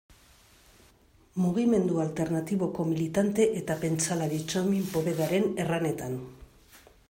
Mugimendu alternatiboko militante eta pentsalari Txomin Povedaren erranetan.